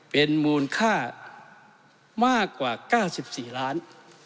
เป็นมูลค่ามากกว่า๙๔ล้าน